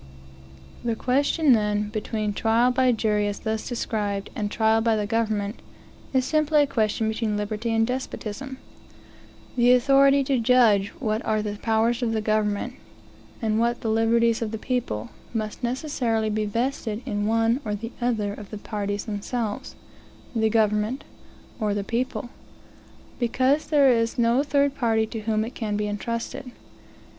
The question, then, between trial by jury, as thus described, and trial by the government, is simply a question between liberty and despotism. The authority to judge what are the powers of the government, and what the liberties of the people, must necessarily be vested in one or the other of the parties themselves the government, or the people; because there is no third party to whom it can be entrusted.